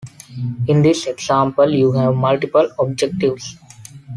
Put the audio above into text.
In this example you have multiple objectives.